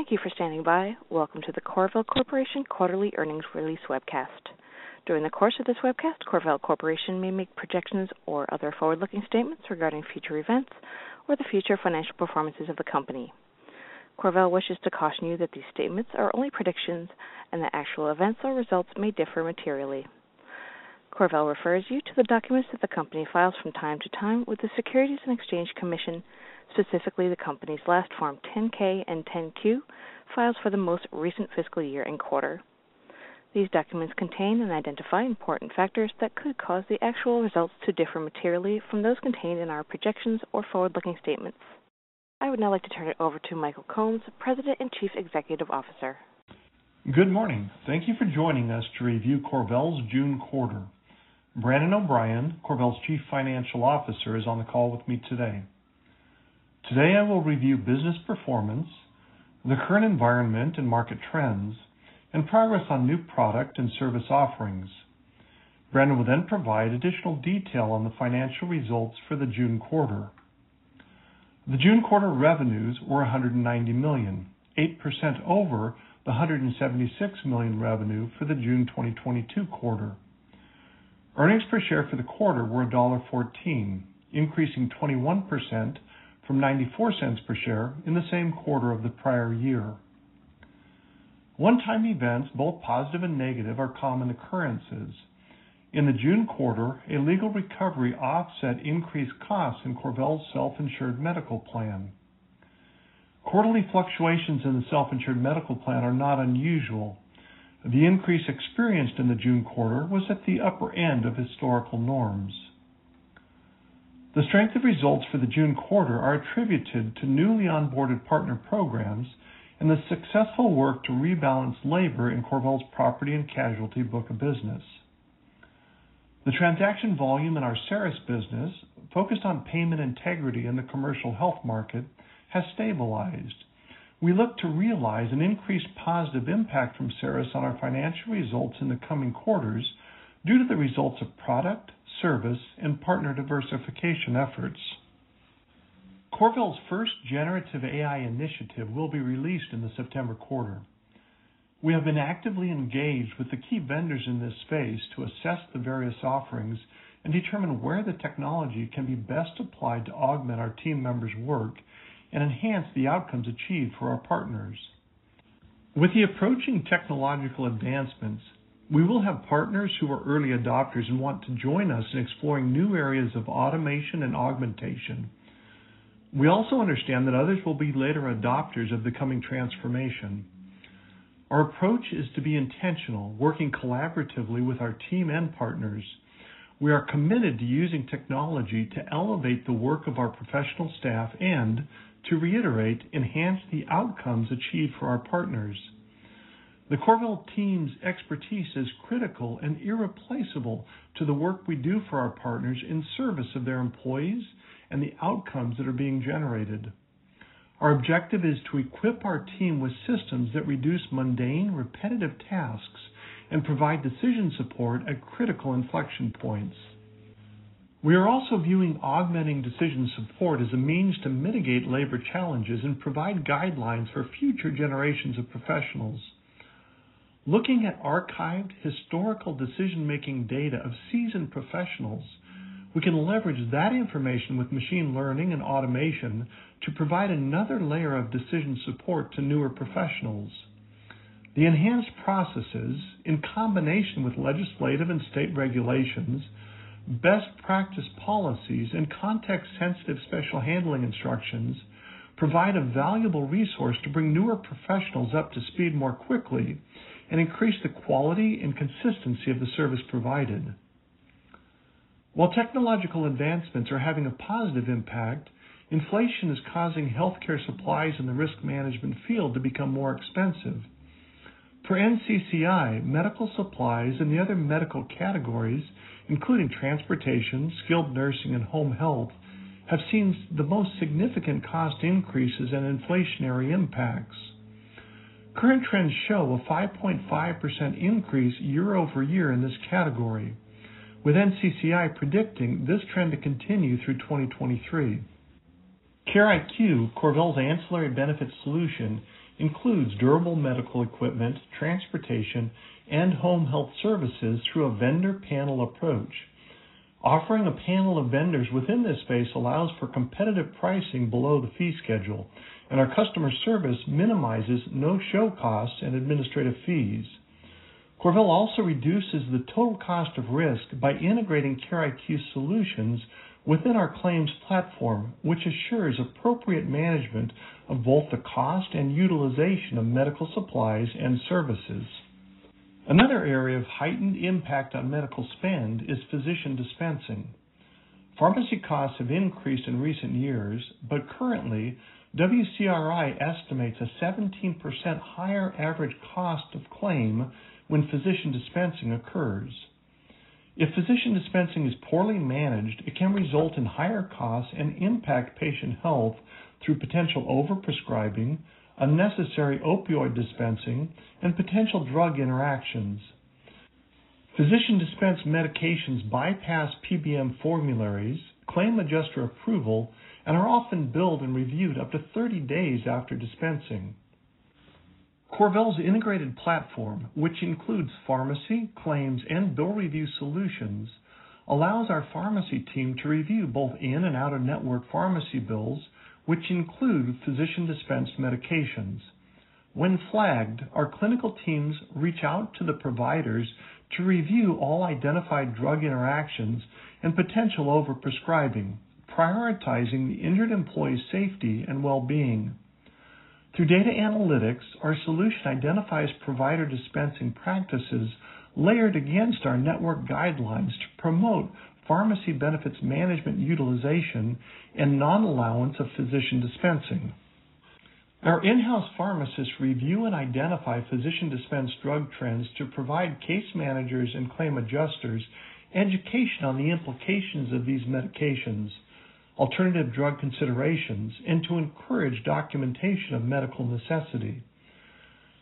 Thank you for standing by. Welcome to the CorVel Corporation quarterly earnings release webcast. During the course of this webcast, CorVel Corporation may make projections or other forward-looking statements regarding future events or the future financial performances of the company. CorVel wishes to caution you that these statements are only predictions and that actual events or results may differ materially. CorVel refers you to the documents that the company files from time to time with the Securities and Exchange Commission, specifically the company's last Form 10-K and 10-Q files for the most recent fiscal year and quarter. These documents contain and identify important factors that could cause the actual results to differ materially from those contained in our projections or forward-looking statements. I would now like to turn it over to Michael Combs, President and Chief Executive Officer. Good morning. Thank you for joining us to review CorVel's June quarter. Brandon O'Brien, CorVel's Chief Financial Officer, is on the call with me today. Today, I will review business performance, the current environment and market trends, and progress on new product and service offerings. Brandon will provide additional detail on the financial results for the June quarter. The June quarter revenues were $190 million, 8% over the $176 million revenue for the June 2022 quarter. Earnings per share for the quarter were $1.14, increasing 21% from $0.94 per share in the same quarter of the prior year. One-time events, both positive and negative, are common occurrences. In the June quarter, a legal recovery offset increased costs in CorVel's self-insured medical plan. Quarterly fluctuations in the self-insured medical plan are not unusual. The increase experienced in the June quarter was at the upper end of historical norms. The strength of results for the June quarter are attributed to newly onboarded partner programs and the successful work to rebalance labor in CorVel's property and casualty book of business. The transaction volume in our CERIS business, focused on payment integrity in the commercial health market, has stabilized. We look to realize an increased positive impact from CERIS on our financial results in the coming quarters due to the results of product, service, and partner diversification efforts. CorVel's first generative AI initiative will be released in the September quarter. We have been actively engaged with the key vendors in this space to assess the various offerings and determine where the technology can be best applied to augment our team members' work and enhance the outcomes achieved for our partners. With the approaching technological advancements, we will have partners who are early adopters and want to join us in exploring new areas of automation and augmentation. We also understand that others will be later adopters of the coming transformation. Our approach is to be intentional, working collaboratively with our team and partners. We are committed to using technology to elevate the work of our professional staff and, to reiterate, enhance the outcomes achieved for our partners. The CorVel team's expertise is critical and irreplaceable to the work we do for our partners in service of their employees and the outcomes that are being generated. Our objective is to equip our team with systems that reduce mundane, repetitive tasks and provide decision support at critical inflection points. We are also viewing augmenting decision support as a means to mitigate labor challenges and provide guidelines for future generations of professionals. Looking at archived historical decision-making data of seasoned professionals, we can leverage that information with machine learning and automation to provide another layer of decision support to newer professionals. The enhanced processes, in combination with legislative and state regulations, best practice policies, and context-sensitive special handling instructions, provide a valuable resource to bring newer professionals up to speed more quickly and increase the quality and consistency of the service provided. While technological advancements are having a positive impact, inflation is causing healthcare supplies in the risk management field to become more expensive. For NCCI, medical supplies and the other medical categories, including transportation, skilled nursing, and home health, have seen the most significant cost increases and inflationary impacts. Current trends show a 5.5% increase year-over-year in this category, with NCCI predicting this trend to continue through 2023. CareIQ, CorVel's ancillary benefit solution, includes durable medical equipment, transportation, and home health services through a vendor panel approach. Offering a panel of vendors within this space allows for competitive pricing below the fee schedule, and our customer service minimizes no-show costs and administrative fees. CorVel also reduces the total cost of risk by integrating CareIQ solutions within our claims platform, which assures appropriate management of both the cost and utilization of medical supplies and services. Another area of heightened impact on medical spend is physician dispensing. Pharmacy costs have increased in recent years, but currently, WCRI estimates a 17% higher average cost of claim when physician dispensing occurs. If physician dispensing is poorly managed, it can result in higher costs and impact patient health through potential overprescribing, unnecessary opioid dispensing, and potential drug interactions....Physician-dispensed medications bypass PBM formularies, claim adjuster approval, and are often billed and reviewed up to 30 days after dispensing. CorVel's integrated platform, which includes pharmacy, claims, and bill review solutions, allows our pharmacy team to review both in and out-of-network pharmacy bills, which include physician-dispensed medications. When flagged, our clinical teams reach out to the providers to review all identified drug interactions and potential overprescribing, prioritizing the injured employee's safety and well-being. Through data analytics, our solution identifies provider dispensing practices layered against our network guidelines to promote pharmacy benefit management utilization and non-allowance of physician dispensing. Our in-house pharmacists review and identify physician-dispensed drug trends to provide case managers and claim adjusters education on the implications of these medications, alternative drug considerations, and to encourage documentation of medical necessity.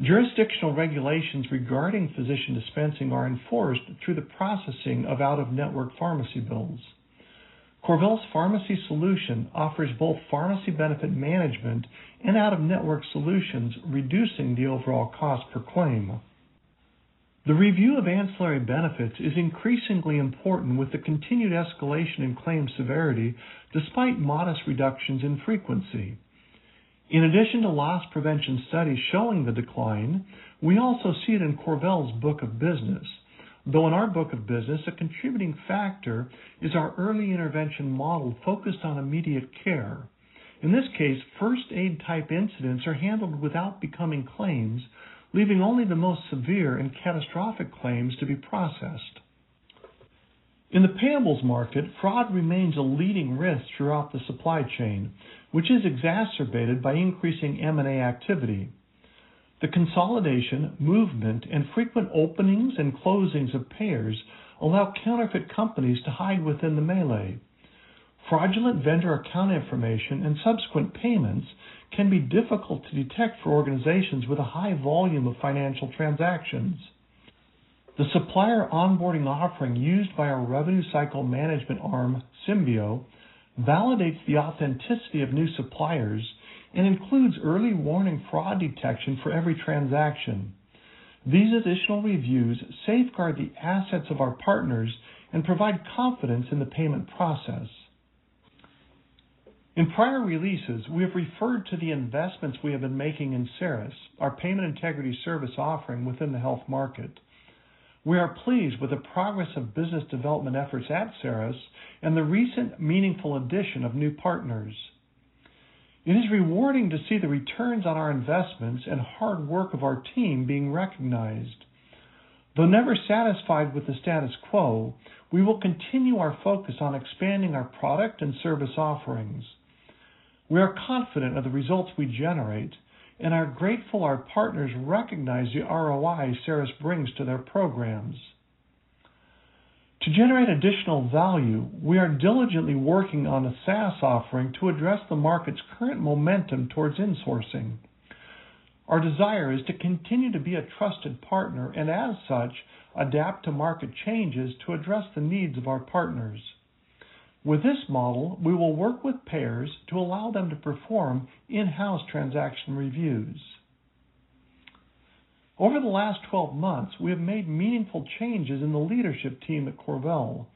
Jurisdictional regulations regarding physician dispensing are enforced through the processing of out-of-network pharmacy bills. CorVel's pharmacy solution offers both pharmacy benefit management and out-of-network solutions, reducing the overall cost per claim. The review of ancillary benefits is increasingly important with the continued escalation in claim severity, despite modest reductions in frequency. In addition to loss prevention studies showing the decline, we also see it in CorVel's book of business. In our book of business, a contributing factor is our early intervention model focused on immediate care. In this case, first aid-type incidents are handled without becoming claims, leaving only the most severe and catastrophic claims to be processed. In the payables market, fraud remains a leading risk throughout the supply chain, which is exacerbated by increasing M&A activity. The consolidation, movement, and frequent openings and closings of payers allow counterfeit companies to hide within the melee. Fraudulent vendor account information and subsequent payments can be difficult to detect for organizations with a high volume of financial transactions. The supplier onboarding offering used by our revenue cycle management arm, Symbeo, validates the authenticity of new suppliers and includes early warning fraud detection for every transaction. These additional reviews safeguard the assets of our partners and provide confidence in the payment process. In prior releases, we have referred to the investments we have been making in CERIS, our payment integrity service offering within the health market. We are pleased with the progress of business development efforts at CERIS and the recent meaningful addition of new partners. It is rewarding to see the returns on our investments and hard work of our team being recognized. Though never satisfied with the status quo, we will continue our focus on expanding our product and service offerings. We are confident of the results we generate and are grateful our partners recognize the ROI CERIS brings to their programs. To generate additional value, we are diligently working on a SaaS offering to address the market's current momentum towards insourcing. Our desire is to continue to be a trusted partner, and as such, adapt to market changes to address the needs of our partners. With this model, we will work with payers to allow them to perform in-house transaction reviews. Over the last 12 months, we have made meaningful changes in the leadership team at CorVel.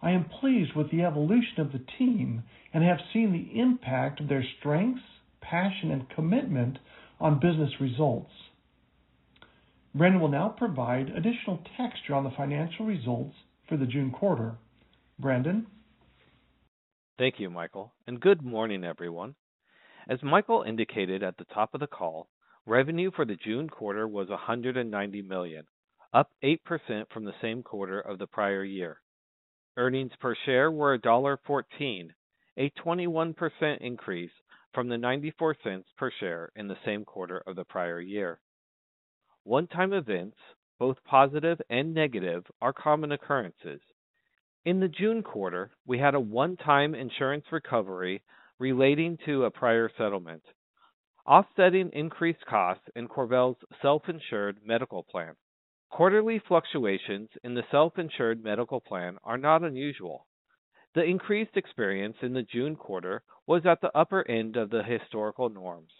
I am pleased with the evolution of the team and have seen the impact of their strengths, passion, and commitment on business results. Brandon will now provide additional texture on the financial results for the June quarter. Brandon? Thank you, Michael. Good morning, everyone. As Michael indicated at the top of the call, revenue for the June quarter was $190 million, up 8% from the same quarter of the prior year. Earnings per share were $1.14, a 21% increase from the $0.94 per share in the same quarter of the prior year. One-time events, both positive and negative, are common occurrences. In the June quarter, we had a one-time insurance recovery relating to a prior settlement, offsetting increased costs in CorVel's self-insured medical plan. Quarterly fluctuations in the self-insured medical plan are not unusual. The increased experience in the June quarter was at the upper end of the historical norms.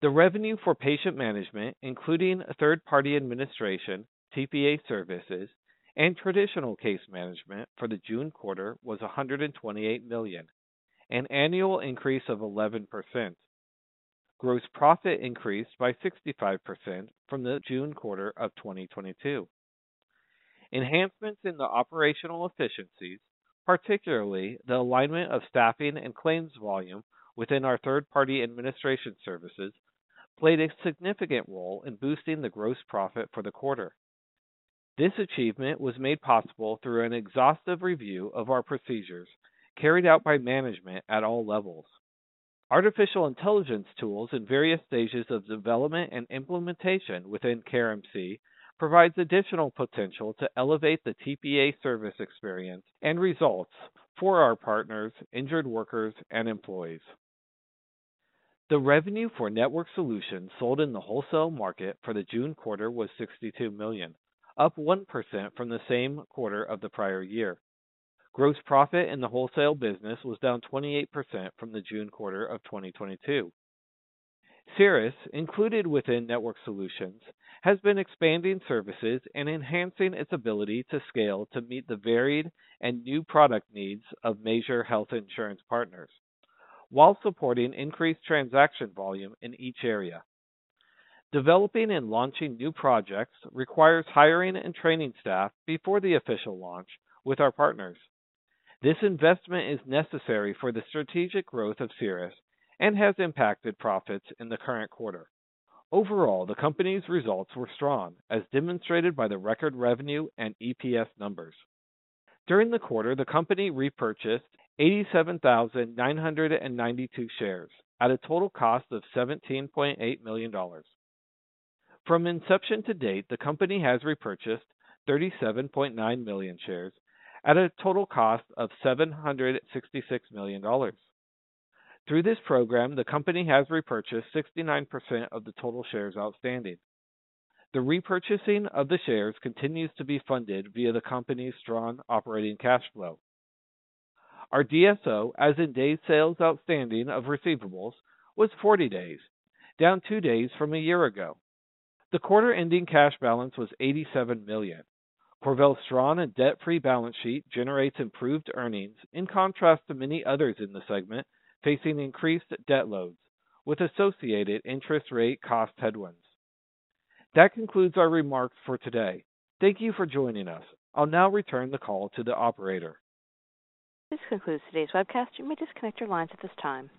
The revenue for Patient Management, including third-party administration, TPA services, and traditional case management for the June quarter, was $128 million, an annual increase of 11%. Gross profit increased by 65% from the June quarter of 2022. Enhancements in the operational efficiencies, particularly the alignment of staffing and claims volume within our third-party administration services, played a significant role in boosting the gross profit for the quarter. This achievement was made possible through an exhaustive review of our procedures carried out by management at all levels. Artificial intelligence tools in various stages of development and implementation within CareMC provides additional potential to elevate the TPA service experience and results for our partners, injured workers, and employees. The revenue for Network Solutions sold in the wholesale market for the June quarter was $62 million, up 1% from the same quarter of the prior year. Gross profit in the wholesale business was down 28% from the June quarter of 2022. CERIS, included within Network Solutions, has been expanding services and enhancing its ability to scale to meet the varied and new product needs of major health insurance partners, while supporting increased transaction volume in each area. Developing and launching new projects requires hiring and training staff before the official launch with our partners. This investment is necessary for the strategic growth of CERIS and has impacted profits in the current quarter. Overall, the company's results were strong, as demonstrated by the record revenue and EPS numbers. During the quarter, the company repurchased 87,992 shares at a total cost of $17.8 million. From inception to date, the company has repurchased 37.9 million shares at a total cost of $766 million. Through this program, the company has repurchased 69% of the total shares outstanding. The repurchasing of the shares continues to be funded via the company's strong operating cash flow. Our DSO, as in days sales outstanding of receivables, was 40 days, down two days from a year ago. The quarter-ending cash balance was $87 million. CorVel's strong and debt-free balance sheet generates improved earnings, in contrast to many others in the segment, facing increased debt loads with associated interest rate cost headwinds. That concludes our remarks for today. Thank you for joining us. I'll now return the call to the operator. This concludes today's webcast. You may disconnect your lines at this time.